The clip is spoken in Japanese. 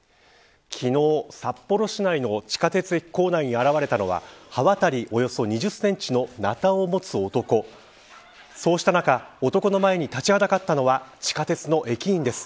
昨日、札幌市内の地下鉄駅構内に現れたのは刃渡りおよそ２０センチのなたを持つ男そうした中、男の前に立ちはだかったのは地下鉄の駅員です。